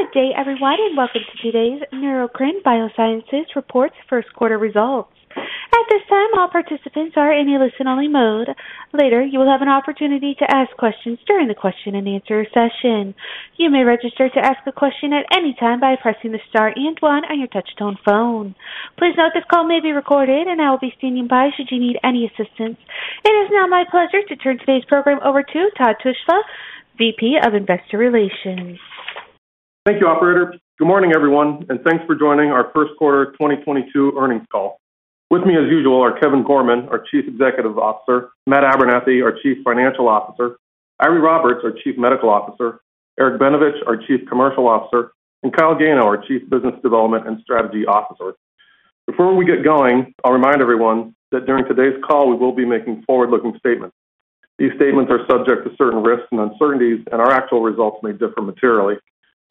Good day, everyone, and welcome to today's Neurocrine Biosciences Reports First Quarter Results. At this time, all participants are in a listen-only mode. Later, you will have an opportunity to ask questions during the question-and-answer session. You may register to ask a question at any time by pressing the star and one on your touch-tone phone. Please note this call may be recorded and I will be standing by should you need any assistance. It is now my pleasure to turn today's program over to Todd Tushla, VP of Investor Relations. Thank you, operator. Good morning, everyone, and thanks for joining our first quarter 2022 earnings call. With me as usual are Kevin Gorman, our Chief Executive Officer, Matt Abernethy, our Chief Financial Officer, Eiry Roberts, our Chief Medical Officer, Eric Benevich, our Chief Commercial Officer, and Kyle Gano, our Chief Business Development and Strategy Officer. Before we get going, I'll remind everyone that during today's call, we will be making forward-looking statements. These statements are subject to certain risks and uncertainties, and our actual results may differ materially.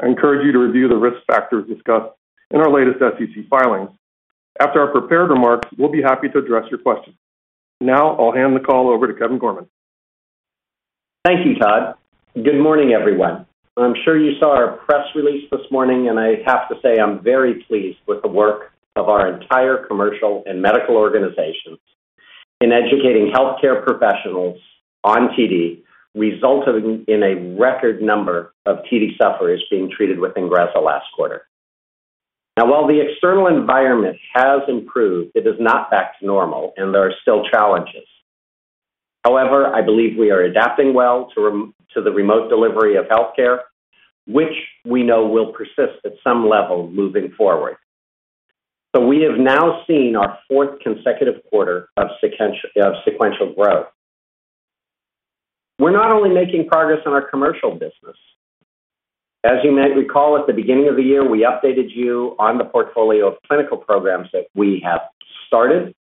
I encourage you to review the risk factors discussed in our latest SEC filings. After our prepared remarks, we'll be happy to address your questions. Now I'll hand the call over to Kevin Gorman. Thank you, Todd. Good morning, everyone. I'm sure you saw our press release this morning, and I have to say I'm very pleased with the work of our entire commercial and medical organizations in educating healthcare professionals on TD, resulting in a record number of TD sufferers being treated with Ingrezza last quarter. Now, while the external environment has improved, it is not back to normal and there are still challenges. However, I believe we are adapting well to the remote delivery of healthcare, which we know will persist at some level moving forward. We have now seen our fourth consecutive quarter of sequential growth. We're not only making progress on our commercial business. As you may recall, at the beginning of the year, we updated you on the portfolio of clinical programs that we have started,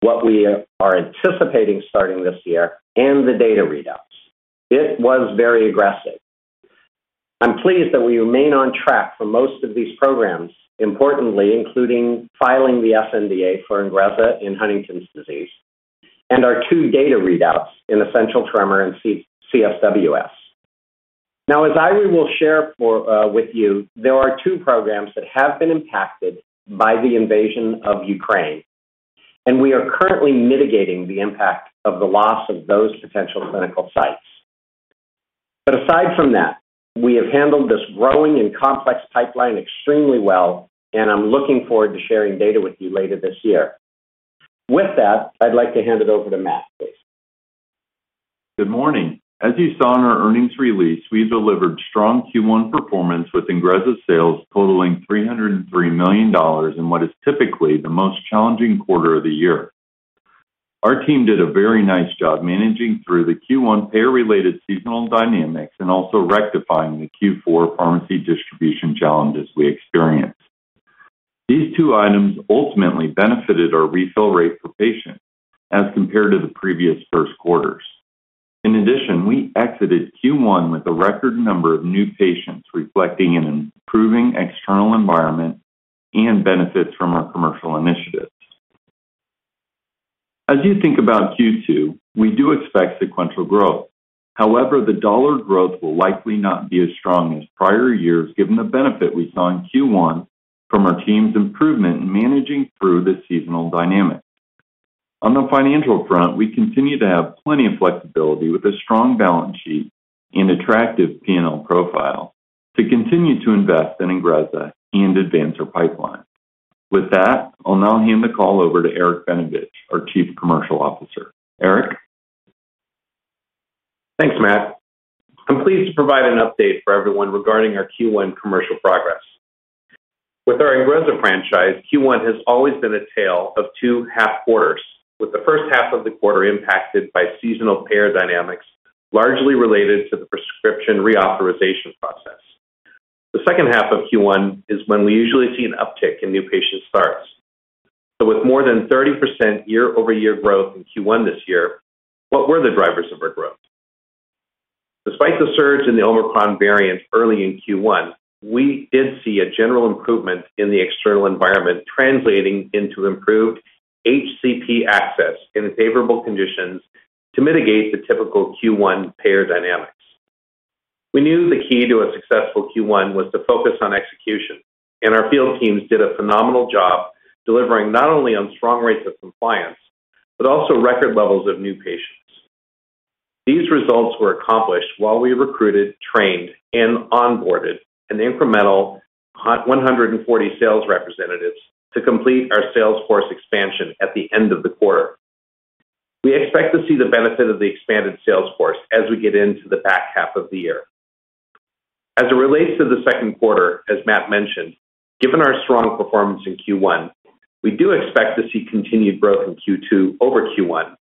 what we are anticipating starting this year, and the data readouts. It was very aggressive. I'm pleased that we remain on track for most of these programs, importantly, including filing the sNDA for Ingrezza in Huntington's disease and our two data readouts in essential tremor and CSWS. Now, as Eiry will share with you, there are two programs that have been impacted by the invasion of Ukraine, and we are currently mitigating the impact of the loss of those potential clinical sites. Aside from that, we have handled this growing and complex pipeline extremely well, and I'm looking forward to sharing data with you later this year. With that, I'd like to hand it over to Matt, please. Good morning. As you saw in our earnings release, we delivered strong Q1 performance with Ingrezza sales totaling $303 million in what is typically the most challenging quarter of the year. Our team did a very nice job managing through the Q1 payer-related seasonal dynamics and also rectifying the Q4 pharmacy distribution challenges we experienced. These two items ultimately benefited our refill rate for patients as compared to the previous first quarters. In addition, we exited Q1 with a record number of new patients reflecting an improving external environment and benefits from our commercial initiatives. As you think about Q2, we do expect sequential growth. However, the dollar growth will likely not be as strong as prior years given the benefit we saw in Q1 from our team's improvement in managing through the seasonal dynamics. On the financial front, we continue to have plenty of flexibility with a strong balance sheet and attractive P&L profile to continue to invest in Ingrezza and advance our pipeline. With that, I'll now hand the call over to Eric Benevich, our Chief Commercial Officer. Eric? Thanks, Matt. I'm pleased to provide an update for everyone regarding our Q1 commercial progress. With our Ingrezza franchise, Q1 has always been a tale of two half quarters, with the first half of the quarter impacted by seasonal payer dynamics, largely related to the prescription reauthorization process. The second half of Q1 is when we usually see an uptick in new patient starts. With more than 30% year-over-year growth in Q1 this year, what were the drivers of our growth? Despite the surge in the Omicron variant early in Q1, we did see a general improvement in the external environment translating into improved HCP access and favorable conditions to mitigate the typical Q1 payer dynamics. We knew the key to a successful Q1 was to focus on execution, and our field teams did a phenomenal job delivering not only on strong rates of compliance, but also record levels of new patients. These results were accomplished while we recruited, trained, and onboarded an incremental 140 sales representatives to complete our sales force expansion at the end of the quarter. We expect to see the benefit of the expanded sales force as we get into the back half of the year. As it relates to the second quarter, as Matt mentioned, given our strong performance in Q1, we do expect to see continued growth in Q2 over Q1,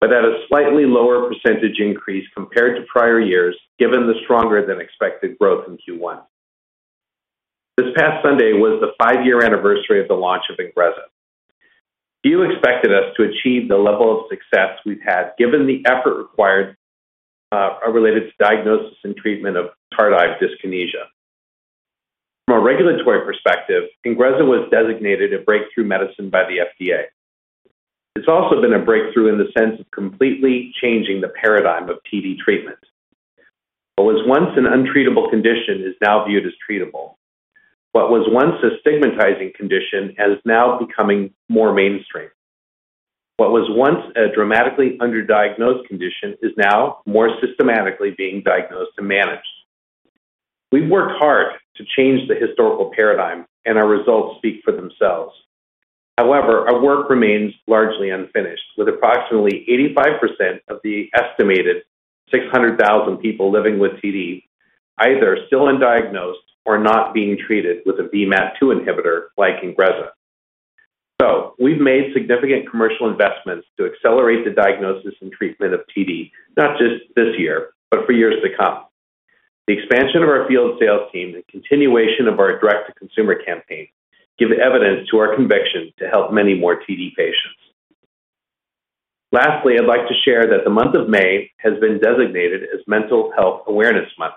but at a slightly lower percentage increase compared to prior years given the stronger-than-expected growth in Q1. This past Sunday was the five-year anniversary of the launch of Ingrezza. Few expected us to achieve the level of success we've had given the effort required related to diagnosis and treatment of tardive dyskinesia. From a regulatory perspective, Ingrezza was designated a breakthrough medicine by the FDA. It's also been a breakthrough in the sense of completely changing the paradigm of TD treatment. What was once an untreatable condition is now viewed as treatable. What was once a stigmatizing condition is now becoming more mainstream. What was once a dramatically underdiagnosed condition is now more systematically being diagnosed and managed. We've worked hard to change the historical paradigm, and our results speak for themselves. However, our work remains largely unfinished, with approximately 85% of the estimated 600,000 people living with TD either still undiagnosed or not being treated with a VMAT2 inhibitor like Ingrezza. We've made significant commercial investments to accelerate the diagnosis and treatment of TD, not just this year, but for years to come. The expansion of our field sales team and continuation of our direct-to-consumer campaign give evidence to our conviction to help many more TD patients. Lastly, I'd like to share that the month of May has been designated as Mental Health Awareness Month.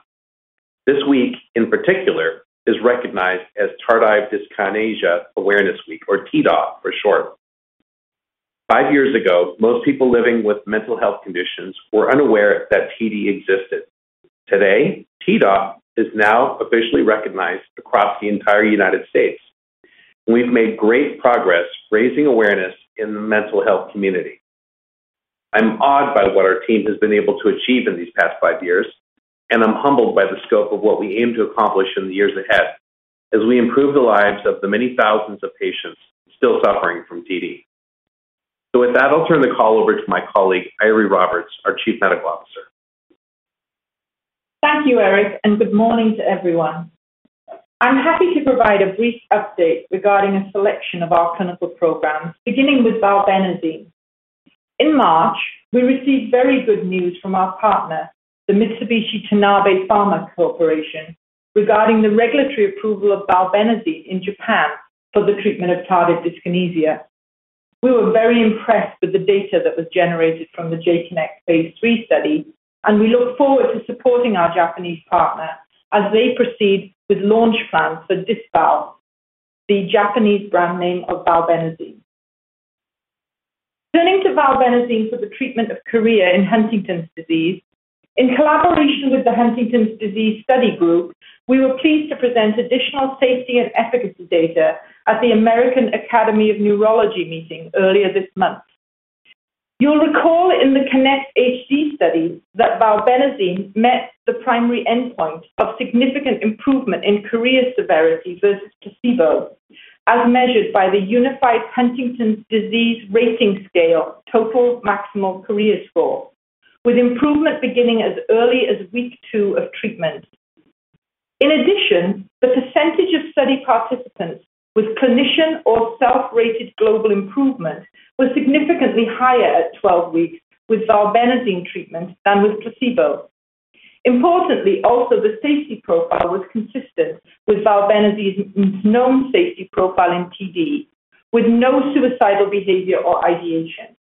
This week, in particular, is recognized as Tardive Dyskinesia Awareness Week, or TDAW for short. Five years ago, most people living with mental health conditions were unaware that TD existed. Today, TDAW is now officially recognized across the entire United States. We've made great progress raising awareness in the mental health community. I'm awed by what our team has been able to achieve in these past five years, and I'm humbled by the scope of what we aim to accomplish in the years ahead as we improve the lives of the many thousands of patients still suffering from TD. With that, I'll turn the call over to my colleague, Eiry Roberts, our Chief Medical Officer. Thank you, Eric, and good morning to everyone. I'm happy to provide a brief update regarding a selection of our clinical programs, beginning with valbenazine. In March, we received very good news from our partner, the Mitsubishi Tanabe Pharma Corporation, regarding the regulatory approval of valbenazine in Japan for the treatment of tardive dyskinesia. We were very impressed with the data that was generated from the J-KINECT phase 3 study, and we look forward to supporting our Japanese partner as they proceed with launch plans for Dysval, the Japanese brand name of valbenazine. Turning to valbenazine for the treatment of chorea in Huntington's disease. In collaboration with the Huntington Study Group, we were pleased to present additional safety and efficacy data at the American Academy of Neurology meeting earlier this month. You'll recall in the KINECT-HD study that valbenazine met the primary endpoint of significant improvement in chorea severity versus placebo as measured by the Unified Huntington's Disease Rating Scale total maximal chorea score, with improvement beginning as early as week 2 of treatment. In addition, the percentage of study participants with clinician or self-rated global improvement was significantly higher at 12 weeks with valbenazine treatment than with placebo. Importantly, also, the safety profile was consistent with valbenazine's known safety profile in TD, with no suicidal behavior or ideation.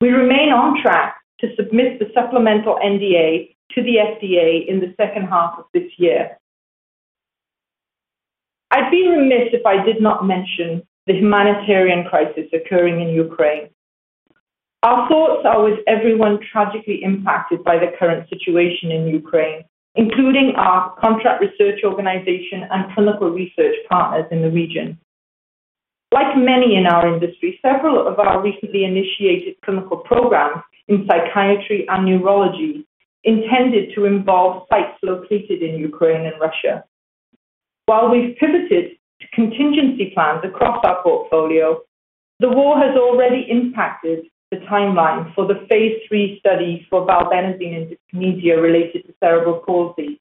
We remain on track to submit the supplemental NDA to the FDA in the second half of this year. I'd be remiss if I did not mention the humanitarian crisis occurring in Ukraine. Our thoughts are with everyone tragically impacted by the current situation in Ukraine, including our contract research organization and clinical research partners in the region. Like many in our industry, several of our recently initiated clinical programs in psychiatry and neurology intended to involve sites located in Ukraine and Russia. While we've pivoted to contingency plans across our portfolio, the war has already impacted the timeline for the phase 3 study for valbenazine in dyskinesia related to cerebral palsy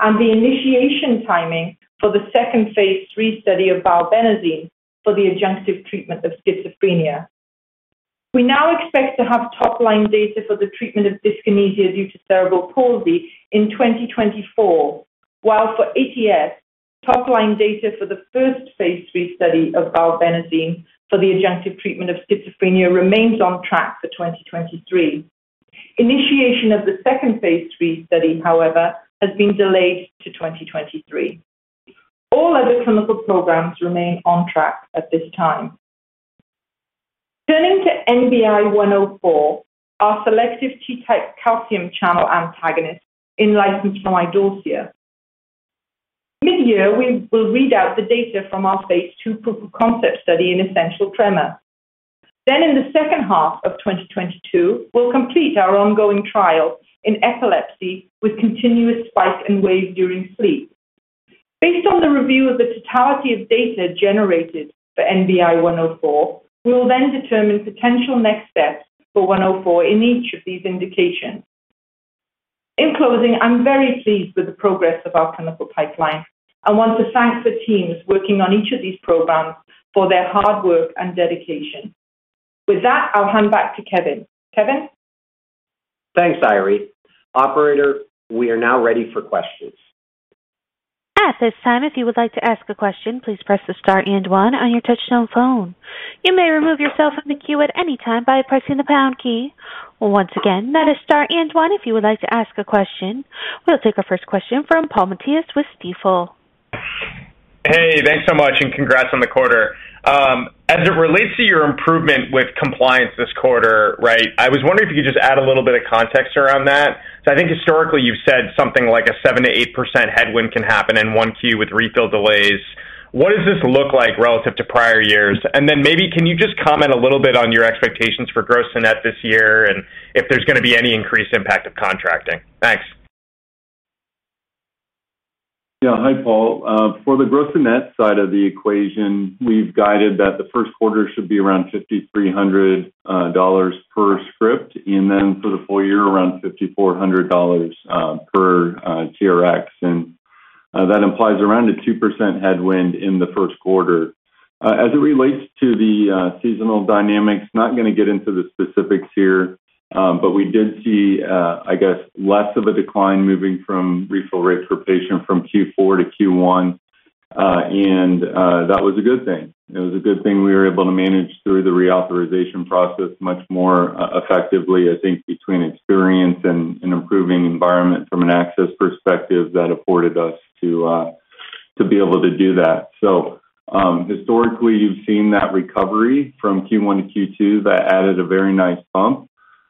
and the initiation timing for the second phase 3 study of valbenazine for the adjunctive treatment of schizophrenia. We now expect to have top-line data for the treatment of dyskinesia due to cerebral palsy in 2024, while for ATS, top-line data for the first phase 3 study of valbenazine for the adjunctive treatment of schizophrenia remains on track for 2023. Initiation of the second phase 3 study, however, has been delayed to 2023. All other clinical programs remain on track at this time. Turning to NBI-104, our selective T-type calcium channel antagonist in license from Idorsia. Mid-year, we will read out the data from our phase 2 proof of concept study in essential tremor. In the second half of 2022, we'll complete our ongoing trial in epilepsy with continuous spike and wave during sleep. Based on the review of the totality of data generated for NBI-104, we will then determine potential next steps for 104 in each of these indications. In closing, I'm very pleased with the progress of our clinical pipeline. I want to thank the teams working on each of these programs for their hard work and dedication. With that, I'll hand back to Kevin. Kevin? Thanks, Eiry. Operator, we are now ready for questions. At this time, if you would like to ask a question, please press the star and one on your touchtone phone. You may remove yourself from the queue at any time by pressing the pound key. Once again, that is star and one if you would like to ask a question. We'll take our first question from Paul Matteis with Stifel. Hey, thanks so much and congrats on the quarter. As it relates to your improvement with compliance this quarter, right? I was wondering if you could just add a little bit of context around that. I think historically you've said something like a 7%-8% headwind can happen in one Q with refill delays. What does this look like relative to prior years? Maybe can you just comment a little bit on your expectations for gross and net this year and if there's going to be any increased impact of contracting? Thanks. Yeah. Hi, Paul. For the gross and net side of the equation, we've guided that the first quarter should be around $5,300 per script, and then for the full year, around $5,400 per TRX. That implies around a 2% headwind in the first quarter. As it relates to the seasonal dynamics, not gonna get into the specifics here, but we did see, I guess, less of a decline moving from refill rates for patient from Q4 to Q1. That was a good thing. It was a good thing we were able to manage through the reauthorization process much more effectively, I think between experience and improving environment from an access perspective that afforded us to be able to do that. Historically, you've seen that recovery from Q1 to Q2. That added a very nice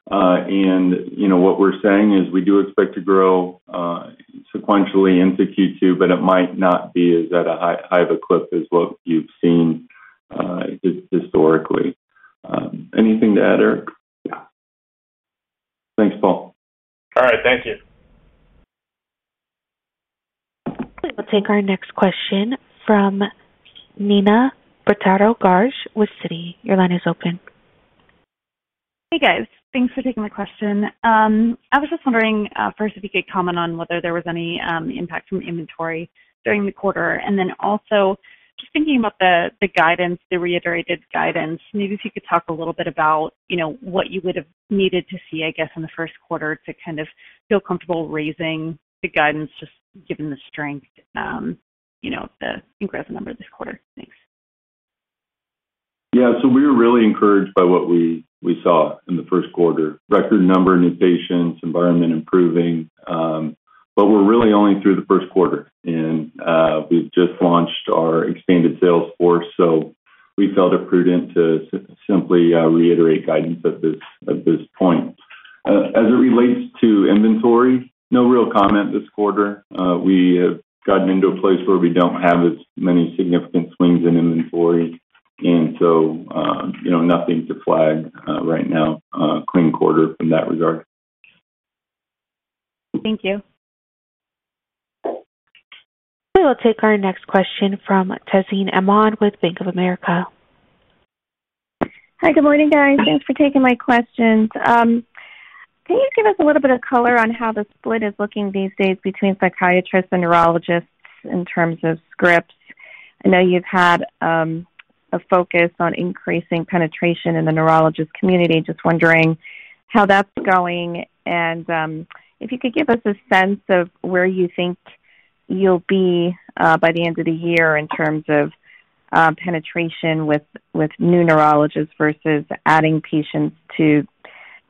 bump. You know, what we're saying is we do expect to grow sequentially into Q2, but it might not be as at a high of a clip as what you've seen historically. Anything to add, Eric? Yeah. Thanks, Paul. All right. Thank you. We'll take our next question from Neena Bitritto-Garg with Citi. Your line is open. Hey, guys. Thanks for taking my question. I was just wondering, first if you could comment on whether there was any impact from inventory during the quarter, and then also just thinking about the guidance, the reiterated guidance, maybe if you could talk a little bit about, you know, what you would have needed to see, I guess, in the first quarter to kind of feel comfortable raising the guidance just given the strength, you know, the progress number this quarter. Thanks. Yeah. We were really encouraged by what we saw in the first quarter. Record number of new patients, environment improving. We're really only through the first quarter and we've just launched our expanded sales force, so we felt it prudent to simply reiterate guidance at this point. As it relates to inventory, no real comment this quarter. We have gotten into a place where we don't have as many significant swings in inventory. You know, nothing to flag right now, clean quarter from that regard. Thank you. We'll take our next question from Tazeen Ahmad with Bank of America. Hi. Good morning, guys. Thanks for taking my questions. Can you give us a little bit of color on how the split is looking these days between psychiatrists and neurologists in terms of scripts? I know you've had a focus on increasing penetration in the neurologist community. Just wondering how that's going and if you could give us a sense of where you think you'll be by the end of the year in terms of penetration with new neurologists versus adding patients to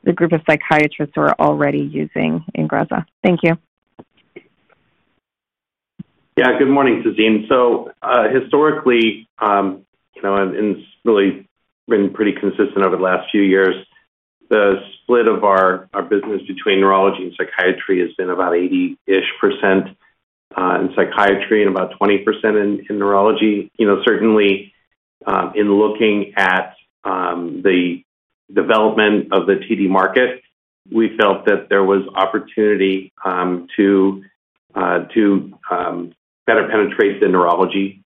the group of psychiatrists who are already using Ingrezza. Thank you. Yeah. Good morning, Tazeen. Historically, you know, and it's really been pretty consistent over the last few years, the split of our business between neurology and psychiatry has been about 80-ish% in psychiatry and about 20% in neurology. You know, certainly, in looking at the development of the TD market, we felt that there was opportunity to better penetrate the neurology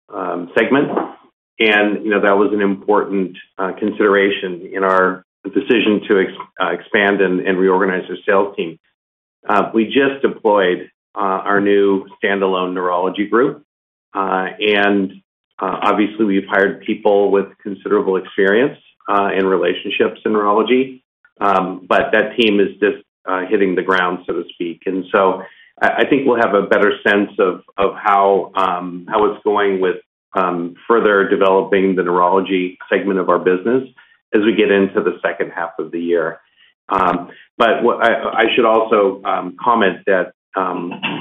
segment. You know, that was an important consideration in our decision to expand and reorganize our sales team. We just deployed our new standalone neurology group. Obviously, we've hired people with considerable experience and relationships in neurology. But that team is just hitting the ground, so to speak. I think we'll have a better sense of how it's going with further developing the neurology segment of our business as we get into the second half of the year. I should also comment that an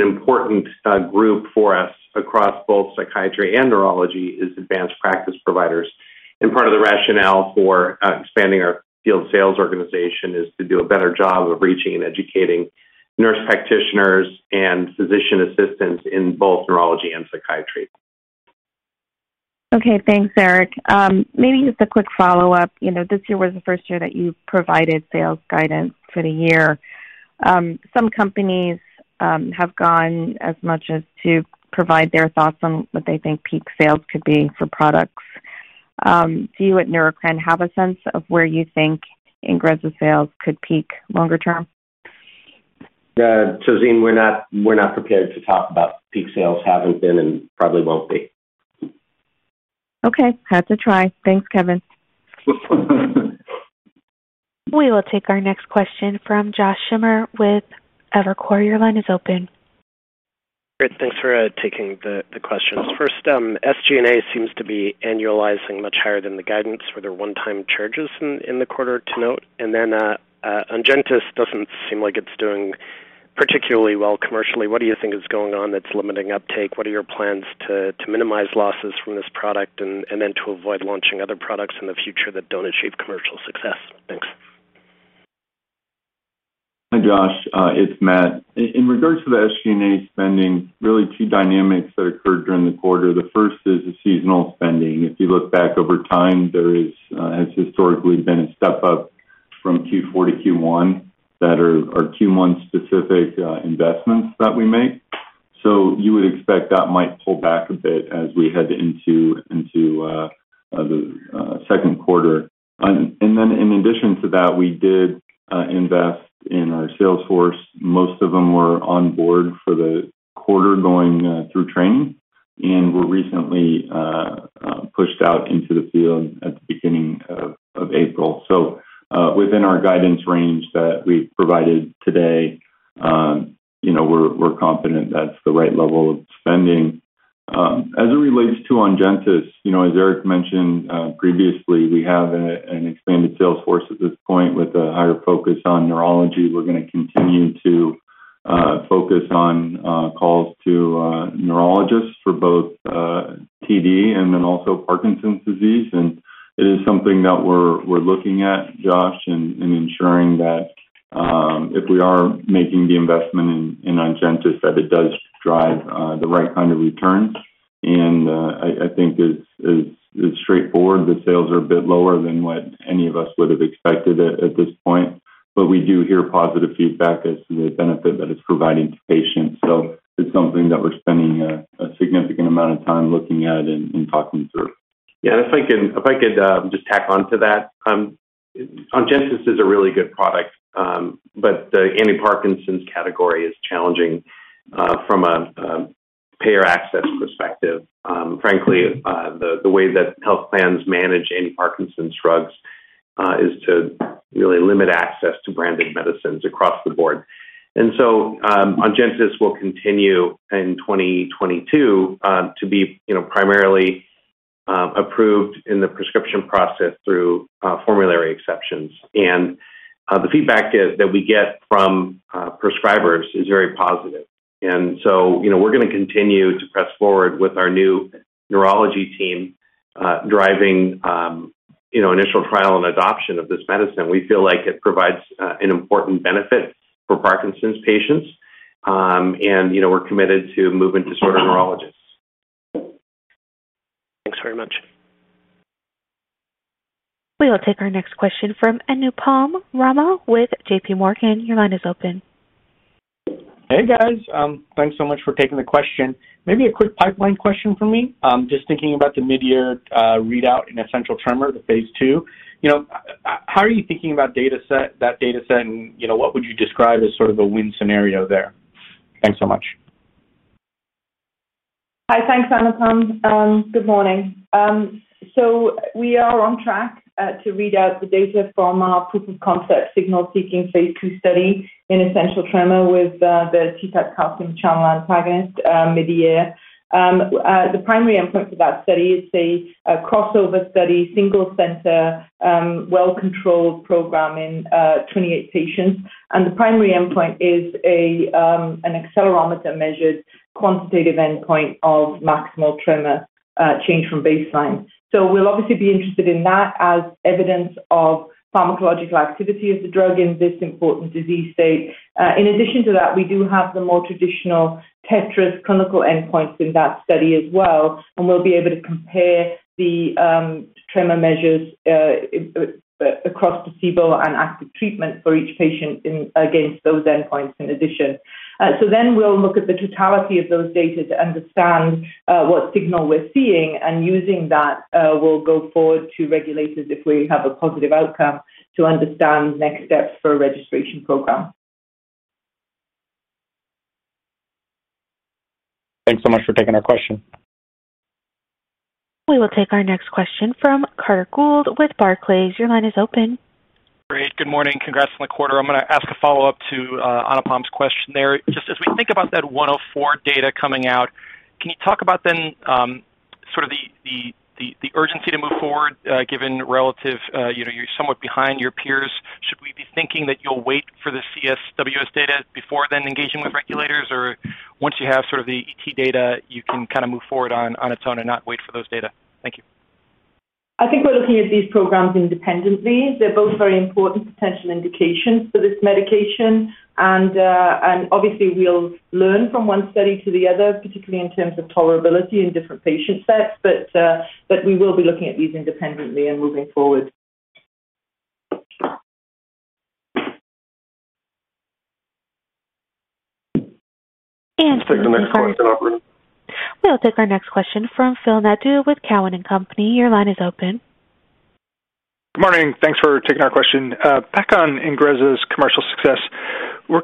important group for us across both psychiatry and neurology is advanced practice providers. Part of the rationale for expanding our field sales organization is to do a better job of reaching and educating nurse practitioners and physician assistants in both neurology and psychiatry. Okay. Thanks, Eric. Maybe just a quick follow-up. You know, this year was the first year that you provided sales guidance for the year. Some companies have gone as much as to provide their thoughts on what they think peak sales could be for products. Do you at Neurocrine have a sense of where you think Ingrezza sales could peak longer term? Yeah. Tazeen, we're not prepared to talk about peak sales, haven't been and probably won't be. Okay. Had to try. Thanks, Kevin. We will take our next question from Joshua Schimmer with Evercore. Your line is open. Great. Thanks for taking the questions. First, SG&A seems to be annualizing much higher than the guidance. Were there one-time charges in the quarter to note? Ongentys doesn't seem like it's doing particularly well commercially. What do you think is going on that's limiting uptake? What are your plans to minimize losses from this product? to avoid launching other products in the future that don't achieve commercial success? Thanks. Hi, Josh. It's Matt. In regards to the SG&A spending, really two dynamics that occurred during the quarter. The first is the seasonal spending. If you look back over time, there has historically been a step up from Q4 to Q1 that are Q1 specific investments that we make. You would expect that might pull back a bit as we head into the second quarter. Then in addition to that, we did invest in our sales force. Most of them were on board for the quarter going through training and were recently pushed out into the field at the beginning of April. Within our guidance range that we've provided today, you know, we're confident that's the right level of spending. As it relates to Ongentys, you know, as Eric mentioned previously, we have an expanded sales force at this point with a higher focus on neurology. We're gonna continue to focus on calls to neurologists for both TD and then also Parkinson's disease. It is something that we're looking at, Josh, and ensuring that if we are making the investment in Ongentys, that it does drive the right kind of returns. I think it's straightforward. The sales are a bit lower than what any of us would have expected at this point. We do hear positive feedback as to the benefit that it's providing to patients. It's something that we're spending a significant amount of time looking at and talking through. Yeah. If I could just tack on to that. Ongentys is a really good product. The anti-Parkinson's category is challenging from a payer access perspective. Frankly, the way that health plans manage anti-Parkinson's drugs is to really limit access to branded medicines across the board. Ongentys will continue in 2022 to be, you know, primarily approved in the prescription process through formulary exceptions. The feedback that we get from prescribers is very positive. You know, we're gonna continue to press forward with our new neurology team driving, you know, initial trial and adoption of this medicine. We feel like it provides an important benefit for Parkinson's patients. You know, we're committed to moving to sort of neurologists. Thanks very much. We will take our next question from Anupam Rama with JPMorgan. Your line is open. Hey, guys. Thanks so much for taking the question. Maybe a quick pipeline question from me. Just thinking about the mid-year readout in essential tremor, the phase 2. You know, how are you thinking about dataset, that dataset and, you know, what would you describe as sort of a win scenario there? Thanks so much. Hi. Thanks, Anupam. Good morning. We are on track to read out the data from our proof of concept signal-seeking phase 2 study in essential tremor with the T-type calcium channel antagonist mid-year. The primary endpoint for that study is a crossover study, single center, well controlled program in 28 patients. The primary endpoint is an accelerometer measured quantitative endpoint of maximal tremor change from baseline. We'll obviously be interested in that as evidence of pharmacological activity of the drug in this important disease state. In addition to that, we do have the more traditional TETRAS clinical endpoints in that study as well, and we'll be able to compare the tremor measures across placebo and active treatment for each patient against those endpoints in addition. We'll look at the totality of those data to understand what signal we're seeing, and using that, we'll go forward to regulators if we have a positive outcome to understand next steps for a registration program. Thanks so much for taking our question. We will take our next question from Carter Gould with Barclays. Your line is open. Great. Good morning. Congrats on the quarter. I'm gonna ask a follow-up to Anupam's question there. Just as we think about that 104 data coming out, can you talk about then sort of the urgency to move forward given relative you know you're somewhat behind your peers. Should we be thinking that you'll wait for the CSWS data before then engaging with regulators? Or once you have sort of the ET data, you can kinda move forward on its own and not wait for those data? Thank you. I think we're looking at these programs independently. They're both very important potential indications for this medication. Obviously we'll learn from one study to the other, particularly in terms of tolerability in different patient sets. We will be looking at these independently and moving forward. And- Let's take the next question, operator. We'll take our next question from Phil Nadeau with Cowen and Company. Your line is open. Good morning. Thanks for taking our question. Back on Ingrezza's commercial success. The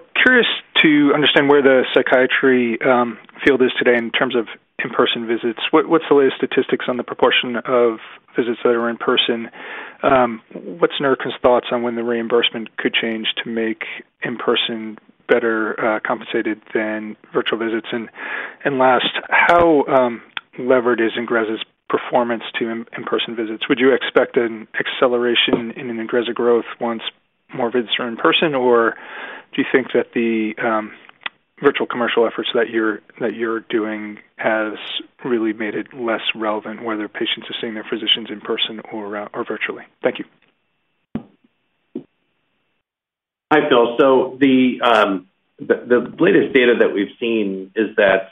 field is today in terms of in-person visits. What's the latest statistics on the proportion of visits that are in-person? What's Neurocrine's thoughts on when the reimbursement could change to make in-person better compensated than virtual visits? Last, how levered is Ingrezza's performance to in-person visits? Would you expect an acceleration in an Ingrezza growth once more visits are in-person? Or do you think that the virtual commercial efforts that you're doing has really made it less relevant whether patients are seeing their physicians in-person or virtually? Thank you. Hi, Phil. The latest data that we've seen is that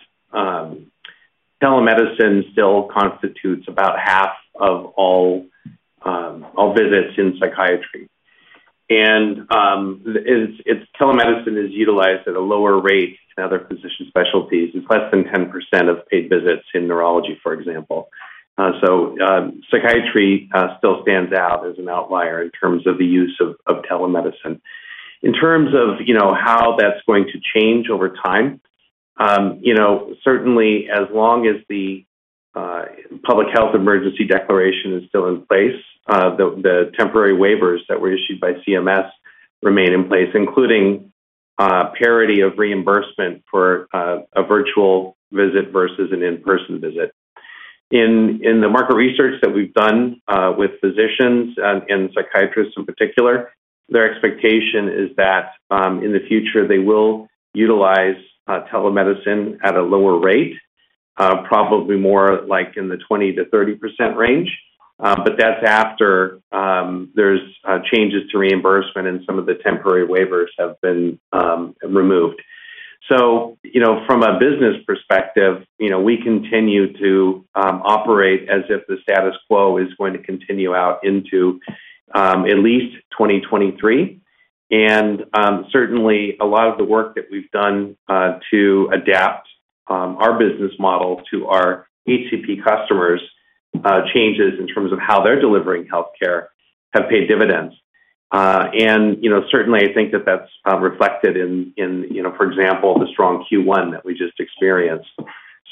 telemedicine still constitutes about half of all visits in psychiatry. Telemedicine is utilized at a lower rate than other physician specialties. It's less than 10% of paid visits in neurology, for example. Psychiatry still stands out as an outlier in terms of the use of telemedicine. In terms of you know, how that's going to change over time, you know, certainly as long as the public health emergency declaration is still in place, the temporary waivers that were issued by CMS remain in place, including parity of reimbursement for a virtual visit versus an in-person visit. In the market research that we've done with physicians and psychiatrists in particular, their expectation is that in the future they will utilize telemedicine at a lower rate, probably more like in the 20%-30% range. That's after there's changes to reimbursement and some of the temporary waivers have been removed. From a business perspective, you know, we continue to operate as if the status quo is going to continue out into at least 2023. Certainly a lot of the work that we've done to adapt our business model to our HCP customers, changes in terms of how they're delivering healthcare have paid dividends. You know, certainly I think that's reflected in, you know, for example, the strong Q1 that we just experienced.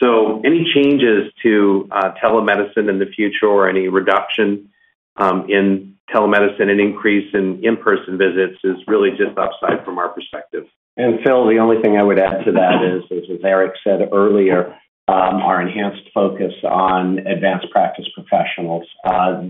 Any changes to telemedicine in the future or any reduction in telemedicine and increase in in-person visits is really just upside from our perspective. Phil, the only thing I would add to that is, as Eric said earlier, our enhanced focus on advanced practice professionals.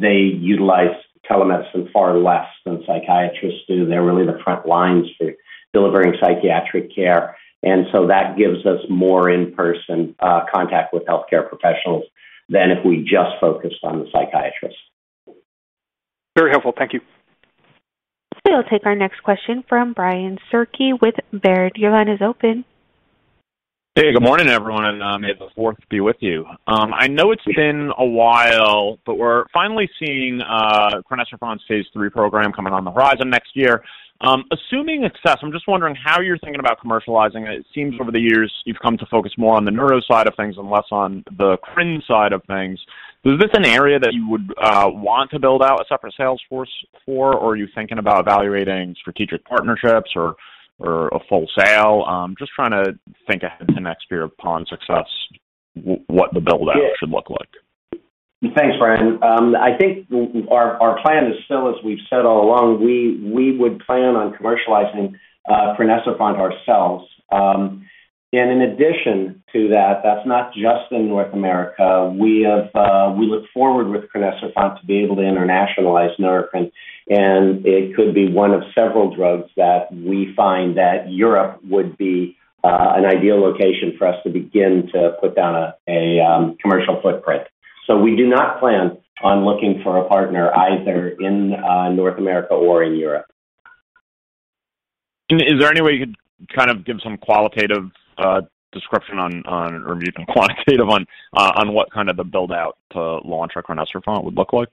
They utilize telemedicine far less than psychiatrists do. They're really the front lines for delivering psychiatric care, and so that gives us more in-person contact with healthcare professionals than if we just focused on the psychiatrists. Very helpful. Thank you. We'll take our next question from Brian Skorney with Baird. Your line is open. Hey, good morning, everyone, and may the fourth be with you. I know it's been a while, but we're finally seeing crinecerfont's phase 3 program coming on the horizon next year. Assuming success, I'm just wondering how you're thinking about commercializing. It seems over the years you've come to focus more on the neuro side of things and less on the crine side of things. Is this an area that you would want to build out a separate sales force for, or are you thinking about evaluating strategic partnerships or a full sale? Just trying to think ahead to next year upon success, what the build-out should look like. Thanks, Brian. I think our plan is still, as we've said all along, we would plan on commercializing crinecerfont ourselves. And in addition to that's not just in North America. We look forward with crinecerfont to be able to internationalize Neurocrine, and it could be one of several drugs that we find that Europe would be an ideal location for us to begin to put down a commercial footprint. We do not plan on looking for a partner either in North America or in Europe. Is there any way you could kind of give some qualitative description on or even quantitative on what kind of the build-out to launch a crinecerfont would look like?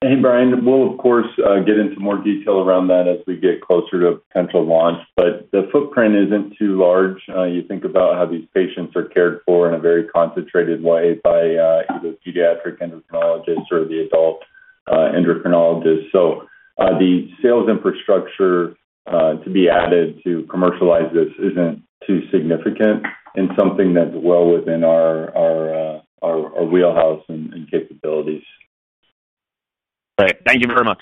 Hey, Brian. We'll of course get into more detail around that as we get closer to potential launch, but the footprint isn't too large. You think about how these patients are cared for in a very concentrated way by either pediatric endocrinologists or the adult endocrinologists. The sales infrastructure to be added to commercialize this isn't too significant and something that's well within our wheelhouse and capabilities. Great. Thank you very much.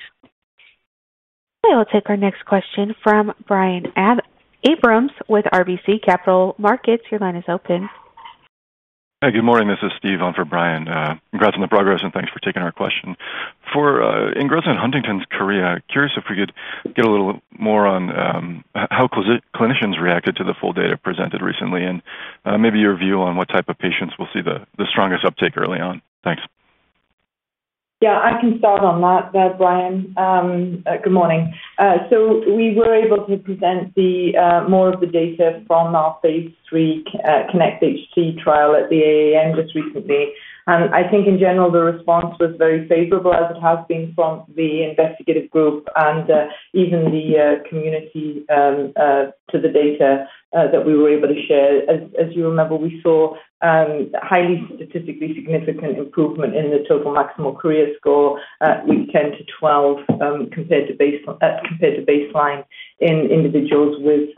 I'll take our next question from Brian Abrahams with RBC Capital Markets. Your line is open. Hi, good morning. This is Steve on for Brian. Congrats on the progress and thanks for taking our question. For Ingrezza and Huntington's Chorea, curious if we could get a little more on how clinicians reacted to the full data presented recently and maybe your view on what type of patients will see the strongest uptake early on. Thanks. Yeah, I can start on that, Brian. Good morning. So we were able to present the more of the data from our Phase 3 KINECT-HD trial at the AAN just recently. I think in general, the response was very favorable as it has been from the investigative group and even the community to the data that we were able to share. As you remember, we saw highly statistically significant improvement in the total maximal chorea score at week 10-12 compared to baseline in individuals with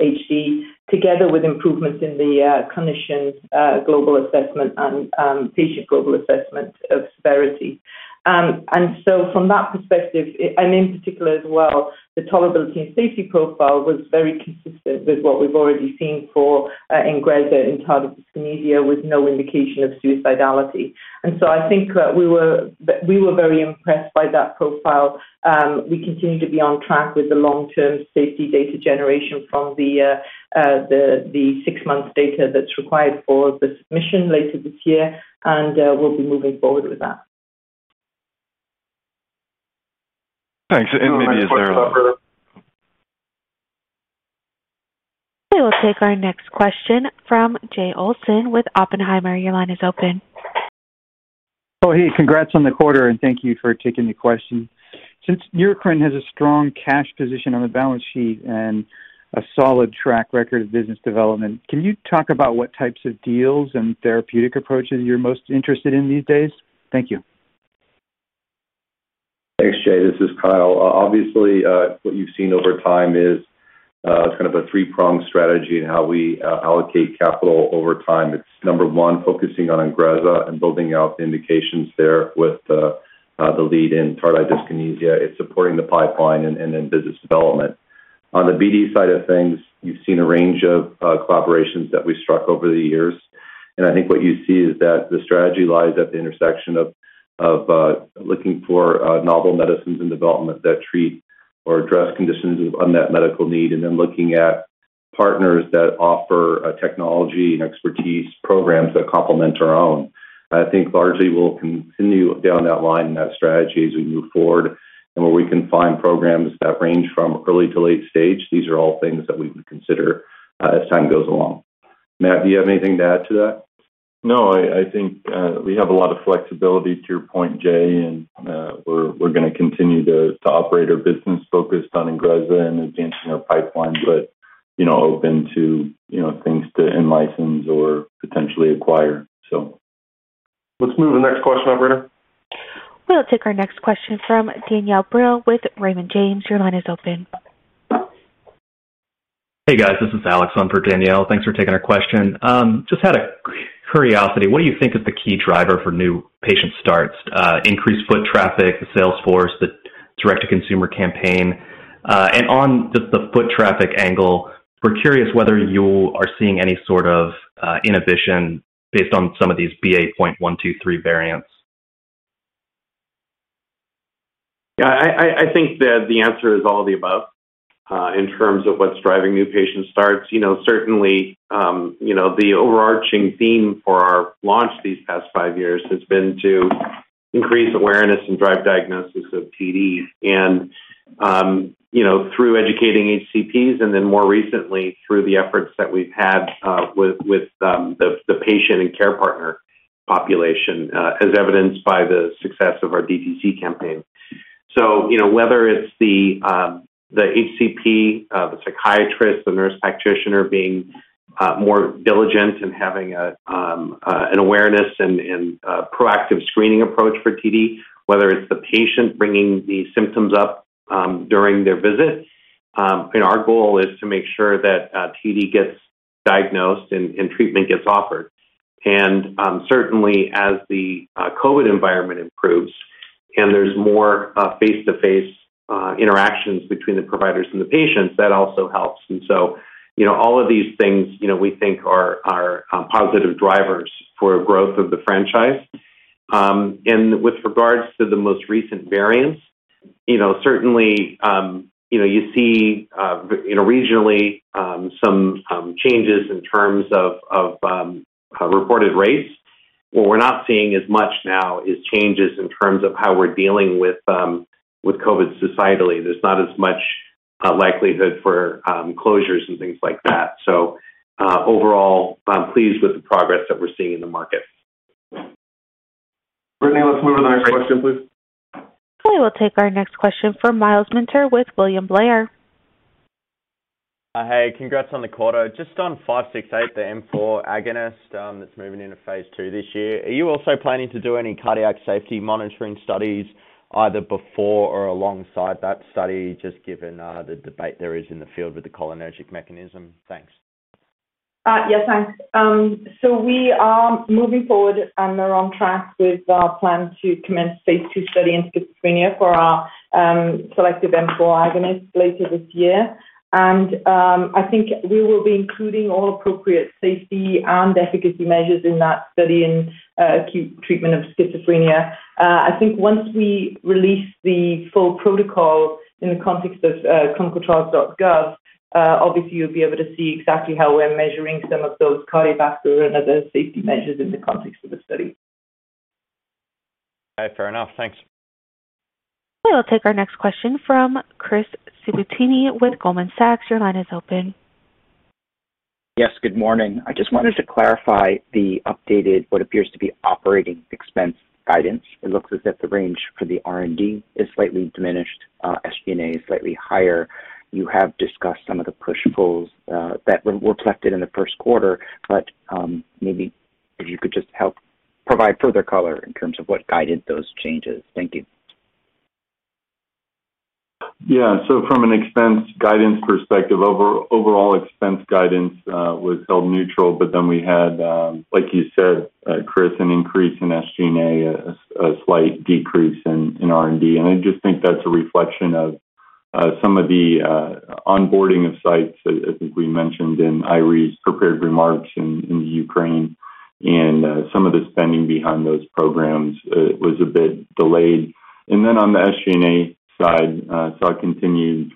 HD, together with improvements in the clinician's global assessment and patient global assessment of severity. From that perspective, and in particular as well, the tolerability and safety profile was very consistent with what we've already seen for Ingrezza in tardive dyskinesia with no indication of suicidality. I think we were very impressed by that profile. We continue to be on track with the long-term safety data generation from the 6-month data that's required for the submission later this year, and we'll be moving forward with that. Thanks. We will take our next question from Jay Olson with Oppenheimer. Your line is open. Oh, hey, congrats on the quarter, and thank you for taking the question. Since Neurocrine has a strong cash position on the balance sheet and a solid track record of business development, can you talk about what types of deals and therapeutic approaches you're most interested in these days? Thank you. Thanks, Jay. This is Kyle. Obviously, what you've seen over time is it's kind of a three-pronged strategy in how we allocate capital over time. It's number one, focusing on Ingrezza and building out the indications there with the lead in tardive dyskinesia. It's supporting the pipeline and then business development. On the BD side of things, you've seen a range of collaborations that we struck over the years. I think what you see is that the strategy lies at the intersection of looking for novel medicines and development that treat or address conditions of unmet medical need, and then looking at partners that offer a technology and expertise programs that complement our own. I think largely we'll continue down that line and that strategy as we move forward and where we can find programs that range from early to late stage. These are all things that we would consider, as time goes along. Matt, do you have anything to add to that? No, I think we have a lot of flexibility to your point, Jay, and we're gonna continue to operate our business focused on Ingrezza and advancing our pipeline, but you know open to you know things to in-license or potentially acquire, so. Let's move to the next question, operator. We'll take our next question from Danielle Brill with Raymond James. Your line is open. Hey, guys. This is Alex on for Danielle. Thanks for taking our question. Just out of curiosity, what do you think is the key driver for new patient starts, increased foot traffic, the sales force, the direct-to-consumer campaign? On just the foot traffic angle, we're curious whether you are seeing any sort of inhibition based on some of these BA.1.2.3 variants? Yeah, I think that the answer is all of the above, in terms of what's driving new patient starts. You know, certainly, you know, the overarching theme for our launch these past five years has been to increase awareness and drive diagnosis of TD. You know, through educating HCPs and then more recently through the efforts that we've had, with the patient and care partner population, as evidenced by the success of our DTC campaign. You know, whether it's the HCP, the psychiatrist, the nurse practitioner being more diligent and having a an awareness and a proactive screening approach for TD, whether it's the patient bringing the symptoms up during their visit. Our goal is to make sure that TD gets diagnosed and treatment gets offered. Certainly as the COVID environment improves and there's more face-to-face interactions between the providers and the patients, that also helps. You know, all of these things, you know, we think are positive drivers for growth of the franchise. With regards to the most recent variants, you know, certainly, you know, you see, you know, regionally, some changes in terms of reported rates. What we're not seeing as much now is changes in terms of how we're dealing with COVID societally. There's not as much likelihood for closures and things like that. Overall, I'm pleased with the progress that we're seeing in the market. Brittany, let's move to the next question, please. We will take our next question from Myles Minter with William Blair. Hey, congrats on the quarter. Just on NBI-1117568, the M4 agonist, that's moving into phase 2 this year. Are you also planning to do any cardiac safety monitoring studies either before or alongside that study, just given the debate there is in the field with the cholinergic mechanism? Thanks. Yes. Thanks. We are moving forward and are on track with our plan to commence phase 2 study in schizophrenia for our selective M4 agonist later this year. I think we will be including all appropriate safety and efficacy measures in that study in acute treatment of schizophrenia. I think once we release the full protocol in the context of ClinicalTrials.gov, obviously you'll be able to see exactly how we're measuring some of those cardiovascular and other safety measures in the context of the study. Okay, fair enough. Thanks. We'll take our next question from Chris Shibutani with Goldman Sachs. Your line is open. Yes, good morning. I just wanted to clarify the updated, what appears to be operating expense guidance. It looks as if the range for the R&D is slightly diminished, SG&A is slightly higher. You have discussed some of the push-pulls, that were reflected in the first quarter, but, maybe if you could just help provide further color in terms of what guided those changes. Thank you. Yeah. From an expense guidance perspective, overall expense guidance was held neutral. But then we had, like you said, Chris, an increase in SG&A, a slight decrease in R&D. I just think that's a reflection of some of the onboarding of sites. I think we mentioned in Eiry's prepared remarks in the Ukraine and some of the spending behind those programs was a bit delayed. On the SG&A side, saw continued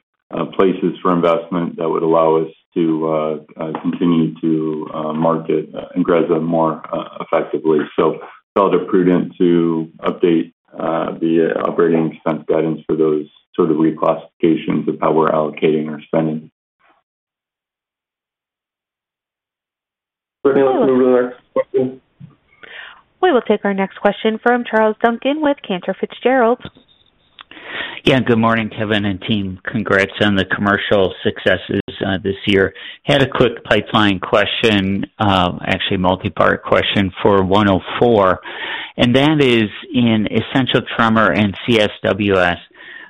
places for investment that would allow us to continue to market Ingrezza more effectively. Felt it prudent to update the operating expense guidance for those sort of reclassifications of how we're allocating our spending. Brittany, let's move to the next question. We will take our next question from Charles Duncan with Cantor Fitzgerald. Yeah, good morning, Kevin and team. Congrats on the commercial successes this year. Had a quick pipeline question, actually multipart question for one oh four, and that is in essential tremor and CSWS.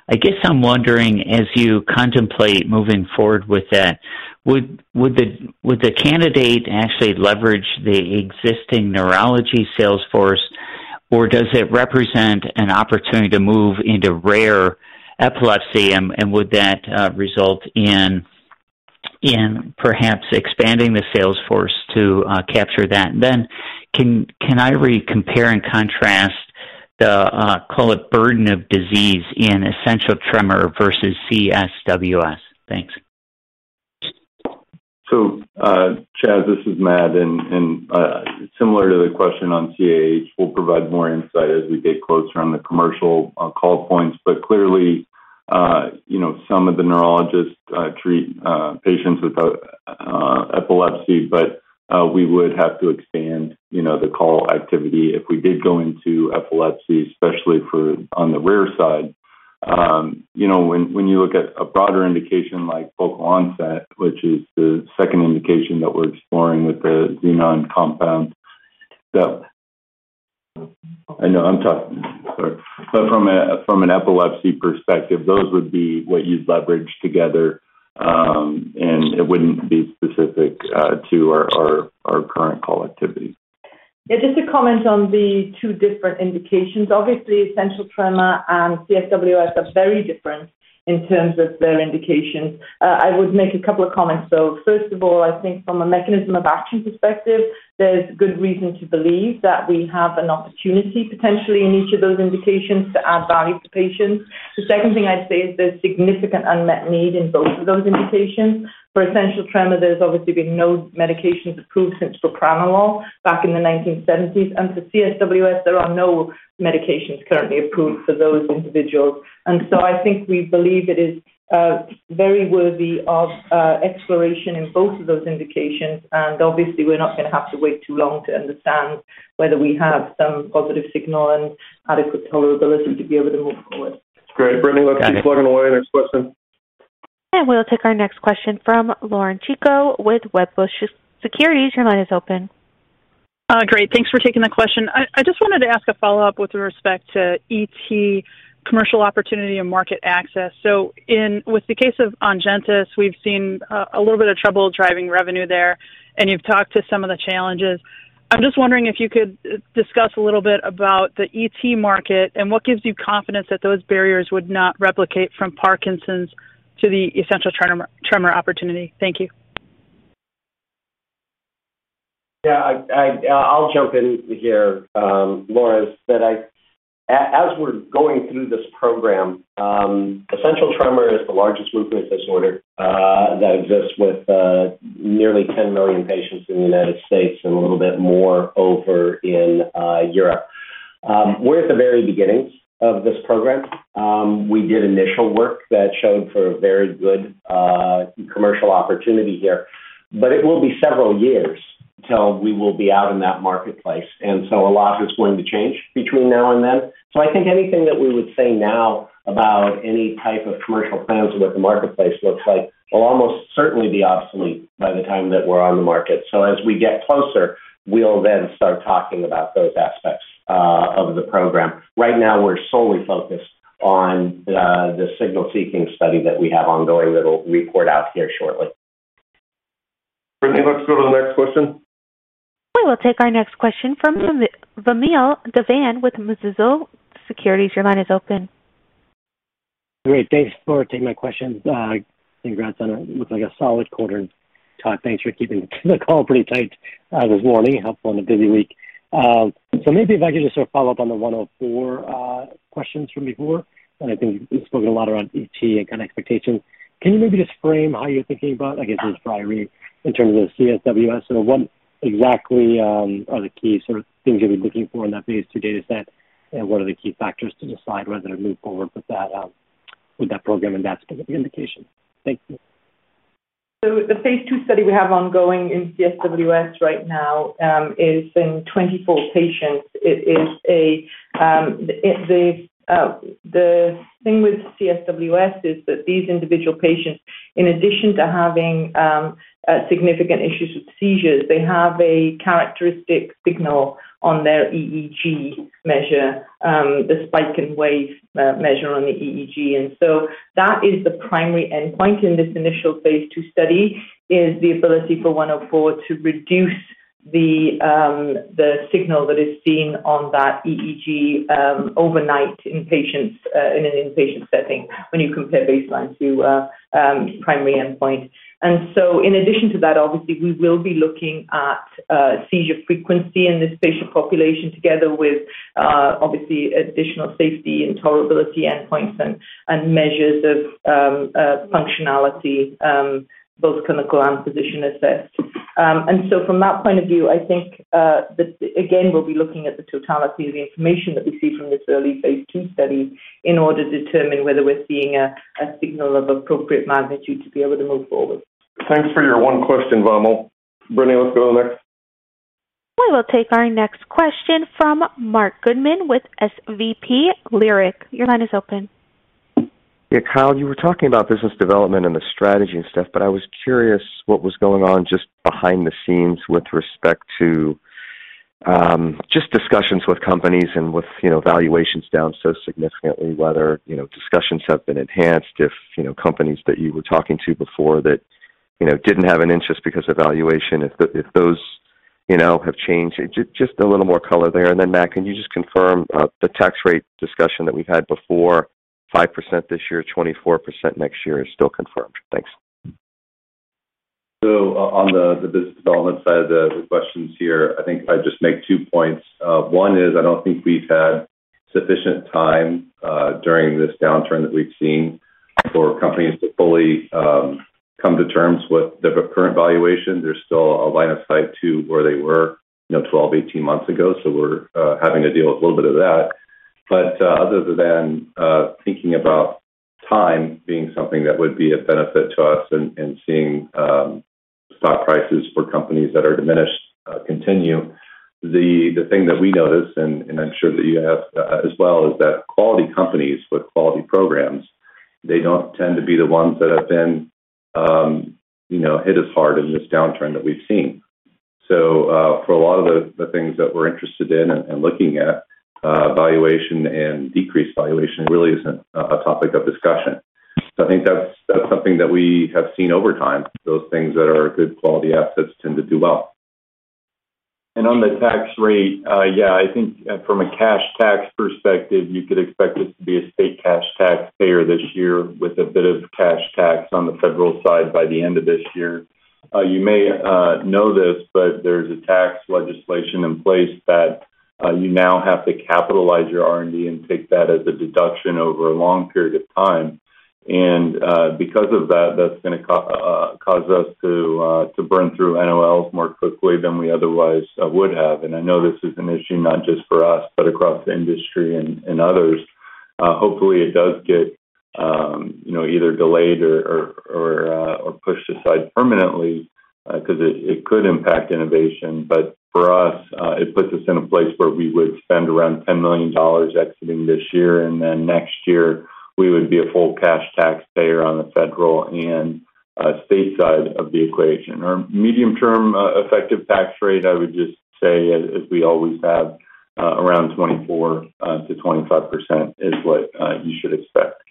I guess I'm wondering, as you contemplate moving forward with that, would the candidate actually leverage the existing neurology sales force, or does it represent an opportunity to move into rare epilepsy? And would that result in perhaps expanding the sales force to capture that? Then can I compare and contrast the call it burden of disease in essential tremor versus CSWS? Thanks. Chaz, this is Matt. Similar to the question on CAH, we'll provide more insight as we get closer on the commercial call points. Clearly, you know, some of the neurologists treat patients without epilepsy. We would have to expand, you know, the call activity if we did go into epilepsy, especially on the rare side. You know, when you look at a broader indication like focal onset, which is the second indication that we're exploring with the Xenon compound. I know I'm talking. Sorry. From an epilepsy perspective, those would be what you'd leverage together. It wouldn't be specific to our current call activity. Yeah, just to comment on the two different indications. Obviously, essential tremor and CSWS are very different in terms of their indications. I would make a couple of comments, though. First of all, I think from a mechanism of action perspective, there's good reason to believe that we have an opportunity potentially in each of those indications to add value to patients. The second thing I'd say is there's significant unmet need in both of those indications. For essential tremor, there's obviously been no medications approved since propranolol back in the 1970s. For CSWS, there are no medications currently approved for those individuals. I think we believe it is very worthy of exploration in both of those indications. Obviously we're not gonna have to wait too long to understand whether we have some positive signal and adequate tolerability to be able to move forward. Great. Brittany, let's keep plugging away. Next question. We'll take our next question from Laura Chico with Wedbush Securities. Your line is open. Great. Thanks for taking the question. I just wanted to ask a follow-up with respect to ET commercial opportunity and market access. With the case of Ongentys, we've seen a little bit of trouble driving revenue there, and you've talked to some of the challenges. I'm just wondering if you could discuss a little bit about the ET market and what gives you confidence that those barriers would not replicate from Parkinson's to the essential tremor opportunity. Thank you. Yeah, I'll jump in here, Laura. As we're going through this program, essential tremor is the largest movement disorder that exists with nearly 10 million patients in the United States and a little bit more over in Europe. We're at the very beginnings of this program. We did initial work that showed for a very good commercial opportunity here, but it will be several years till we will be out in that marketplace. A lot is going to change between now and then. I think anything that we would say now about any type of commercial plans or what the marketplace looks like will almost certainly be obsolete by the time that we're on the market. As we get closer, we'll then start talking about those aspects of the program. Right now we're solely focused on the signal-seeking study that we have ongoing that'll report out here shortly. Brittany, let's go to the next question. We will take our next question from Vamil Divan with Mizuho Securities. Your line is open. Great. Thanks for taking my questions. Congrats on what looks like a solid quarter. Todd, thanks for keeping the call pretty tight, this morning. Helpful on a busy week. Maybe if I could just sort of follow up on the NBI-827104 questions from before. I think you've spoken a lot around ET and kind of expectations. Can you maybe just frame how you're thinking about, I guess this is for Eiry, in terms of CSWS? What exactly are the key sort of things you'll be looking for in that phase two data set? What are the key factors to decide whether to move forward with that, with that program and that specific indication? Thank you. The phase 2 study we have ongoing in CSWS right now is in 24 patients. The thing with CSWS is that these individual patients, in addition to having significant issues with seizures, they have a characteristic signal on their EEG measure, the spike in wave measure on the EEG. That is the primary endpoint in this initial phase 2 study, is the ability for 104 to reduce the signal that is seen on that EEG overnight in patients in an inpatient setting when you compare baseline to primary endpoint. In addition to that, obviously, we will be looking at seizure frequency in this patient population together with obviously additional safety and tolerability endpoints and measures of functionality, both clinical and physician assessed. From that point of view, I think we'll be looking at the totality of the information that we see from this early phase 2 study in order to determine whether we're seeing a signal of appropriate magnitude to be able to move forward. Thanks for your one question, Vamil. Brittany, let's go to the next. We will take our next question from Marc Goodman with SVB Leerink. Your line is open. Yeah, Kyle, you were talking about business development and the strategy and stuff, but I was curious what was going on just behind the scenes with respect to just discussions with companies and with, you know, valuations down so significantly, whether, you know, discussions have been enhanced if, you know, companies that you were talking to before that, you know, didn't have an interest because of valuation. If those, you know, have changed. Just a little more color there. Matt, can you just confirm the tax rate discussion that we've had before, 5% this year, 24% next year is still confirmed? Thanks. On the business development side of the questions here, I think if I just make two points. One is I don't think we've had sufficient time during this downturn that we've seen for companies to fully come to terms with the current valuation. They're still a line of sight to where they were, you know, 12, 18 months ago, so we're having to deal with a little bit of that. Other than thinking about time being something that would be of benefit to us and seeing stock prices for companies that are diminished, continue. The thing that we notice, and I'm sure that you have as well, is that quality companies with quality programs, they don't tend to be the ones that have been, you know, hit as hard in this downturn that we've seen. For a lot of the things that we're interested in and looking at, valuation and decreased valuation really isn't a topic of discussion. I think that's something that we have seen over time. Those things that are good quality assets tend to do well. On the tax rate, yeah, I think from a cash tax perspective, you could expect us to be a state cash taxpayer this year with a bit of cash tax on the federal side by the end of this year. You may know this, but there's a tax legislation in place that you now have to capitalize your R&D and take that as a deduction over a long period of time. Because of that's gonna cause us to burn through NOLs more quickly than we otherwise would have. I know this is an issue not just for us, but across the industry and others. Hopefully it does get, you know, either delayed or pushed aside permanently, 'cause it could impact innovation. But for us, it puts us in a place where we would spend around $10 million exiting this year, and then next year we would be a full cash taxpayer on the federal and state side of the equation. Our medium-term effective tax rate, I would just say as we always have, around 24%-25% is what you should expect.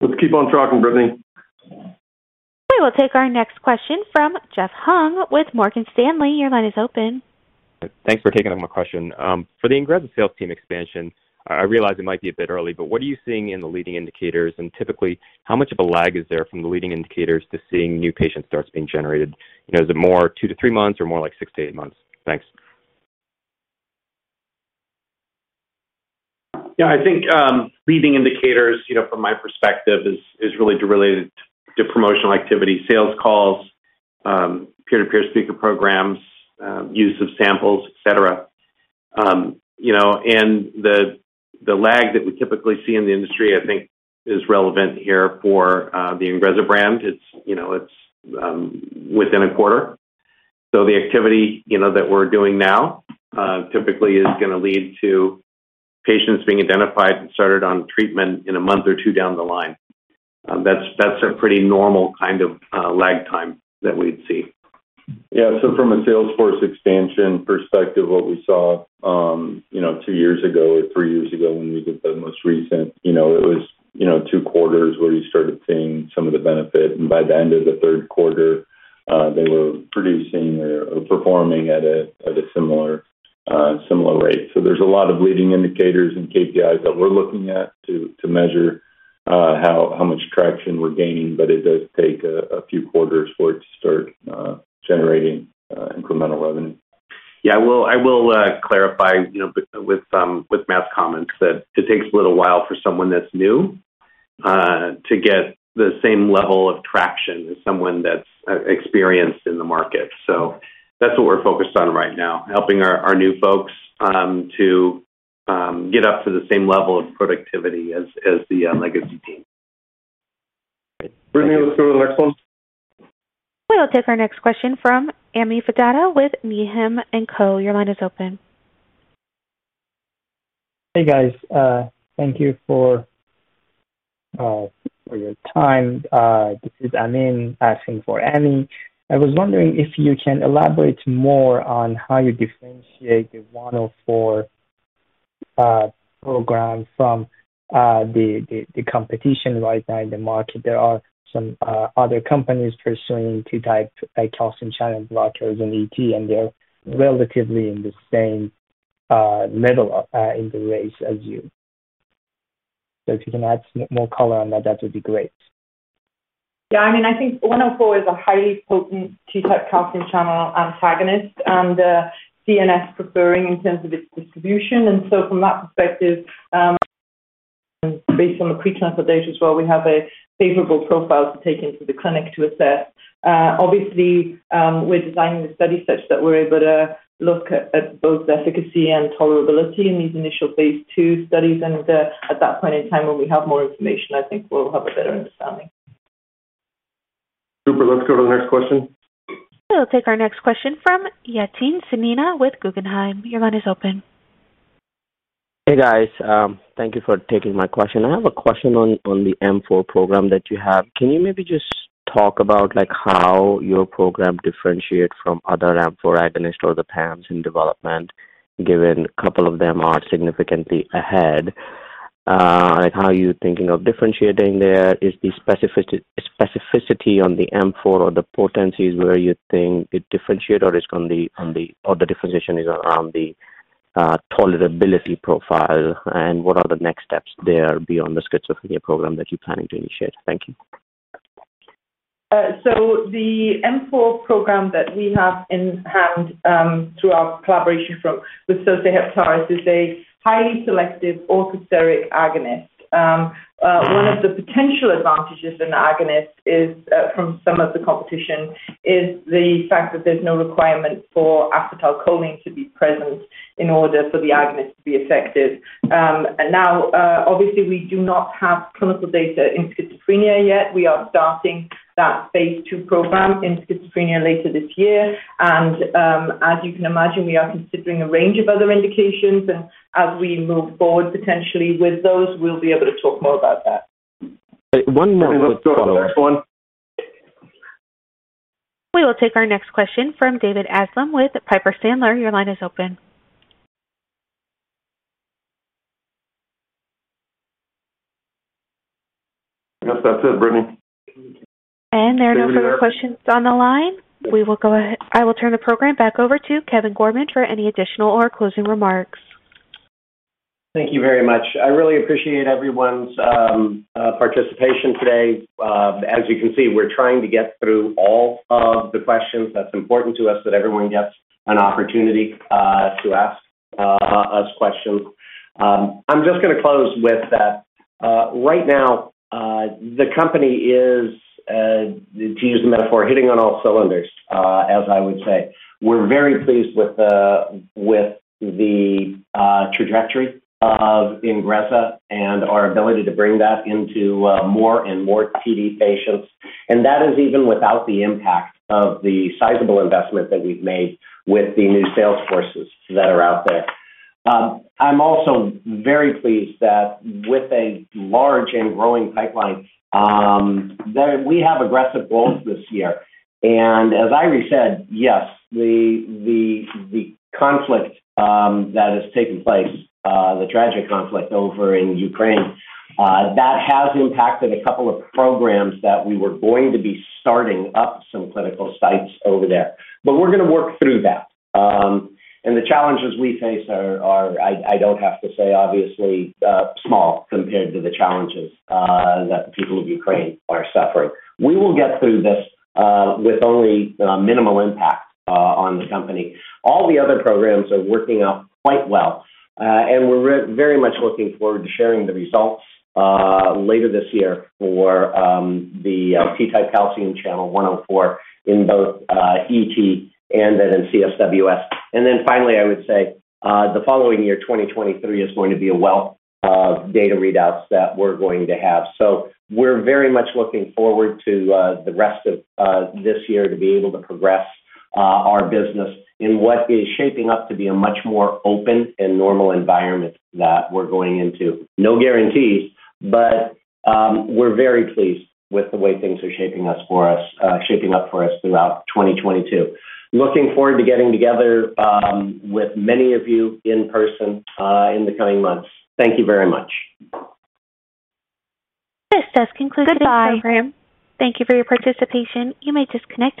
Let's keep on trucking, Brittany. We will take our next question from Jeff Hung with Morgan Stanley. Your line is open. Thanks for taking my question. For the Ingrezza sales team expansion, I realize it might be a bit early, but what are you seeing in the leading indicators? Typically, how much of a lag is there from the leading indicators to seeing new patient starts being generated? You know, is it more 2-3 months or more like 6-8 months? Thanks. Yeah. I think leading indicators, you know, from my perspective is really related to promotional activity, sales calls, peer-to-peer speaker programs, use of samples, et cetera. You know, and the lag that we typically see in the industry, I think is relevant here for the Ingrezza brand. It's, you know, it's within a quarter. So the activity, you know, that we're doing now typically is gonna lead to patients being identified and started on treatment in a month or two down the line. That's a pretty normal kind of lag time that we'd see. Yeah. From a sales force expansion perspective, what we saw, you know, two years ago or three years ago when we did the most recent, you know, it was two quarters where you started seeing some of the benefit, and by the end of the third quarter, they were producing or performing at a similar rate. There's a lot of leading indicators and KPIs that we're looking at to measure how much traction we're gaining, but it does take a few quarters for it to start generating incremental revenue. Yeah. I will clarify, you know, with Matt's comments that it takes a little while for someone that's new to get the same level of traction as someone that's experienced in the market. That's what we're focused on right now, helping our new folks to get up to the same level of productivity as the legacy team. Brittany, let's go to the next one. We will take our next question from Ami Fadia with Needham & Co. Your line is open. Hey, guys. Thank you for your time. This is Amin asking for Ami. I was wondering if you can elaborate more on how you differentiate the 104- Program from the competition right now in the market. There are some other companies pursuing T-type, like, calcium channel blockers in ET, and they're relatively in the same middle in the race as you. If you can add some more color on that would be great. Yeah, I mean, I think NBI-827104 is a highly potent T-type calcium channel antagonist and, CNS preferring in terms of its distribution. From that perspective, based on the pre-clinical data as well, we have a favorable profile to take into the clinic to assess. Obviously, we're designing the study such that we're able to look at both efficacy and tolerability in these initial phase 2 studies. At that point in time when we have more information, I think we'll have a better understanding. Super. Let's go to the next question. We'll take our next question from Yatin Suneja with Guggenheim. Your line is open. Hey, guys. Thank you for taking my question. I have a question on the M4 program that you have. Can you maybe just talk about, like, how your program differentiate from other M4 agonist or the PAMs in development, given a couple of them are significantly ahead? Like, how are you thinking of differentiating there? Is the specificity on the M4 or the potencies where you think it differentiate, or the differentiation is around the tolerability profile? What are the next steps there beyond the schizophrenia program that you're planning to initiate? Thank you. The M4 program that we have in hand, through our collaboration with Sosei Heptares, is a highly selective orthosteric agonist. One of the potential advantages of an agonist over some of the competition is the fact that there's no requirement for acetylcholine to be present in order for the agonist to be effective. Obviously, we do not have clinical data in schizophrenia yet. We are starting that phase 2 program in schizophrenia later this year. As you can imagine, we are considering a range of other indications. As we move forward potentially with those, we'll be able to talk more about that. One more. Let's go to the next one. We will take our next question from David Amsellem with Piper Sandler. Your line is open. I guess that's it, Brittany. There are no further questions on the line. I will turn the program back over to Kevin Gorman for any additional or closing remarks. Thank you very much. I really appreciate everyone's participation today. As you can see, we're trying to get through all of the questions. That's important to us that everyone gets an opportunity to ask us questions. I'm just gonna close with that. Right now, the company is, to use the metaphor, hitting on all cylinders, as I would say. We're very pleased with the trajectory of Ingrezza and our ability to bring that into more and more PD patients. That is even without the impact of the sizable investment that we've made with the new sales forces that are out there. I'm also very pleased that with a large and growing pipeline, that we have aggressive goals this year. As Eiry said, yes, the conflict that has taken place, the tragic conflict over in Ukraine, that has impacted a couple of programs that we were going to be starting up some clinical sites over there. We're gonna work through that. The challenges we face are, I don't have to say, obviously, small compared to the challenges that the people of Ukraine are suffering. We will get through this with only minimal impact on the company. All the other programs are working out quite well. We're very much looking forward to sharing the results later this year for the T-type calcium channel 104 in both ET and then in CSWS. I would say, the following year, 2023, is going to be a wealth of data readouts that we're going to have. We're very much looking forward to, the rest of, this year to be able to progress, our business in what is shaping up to be a much more open and normal environment that we're going into. No guarantees, but, we're very pleased with the way things are shaping up for us throughout 2022. Looking forward to getting together, with many of you in person, in the coming months. Thank you very much. This does conclude this program. Thank you for your participation. You may disconnect at this time.